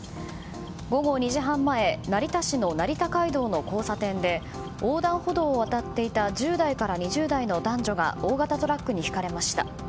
午後２時半前成田市の成田街道の交差点で横断歩道を渡っていた１０代から２０代の男女が大型トラックにひかれました。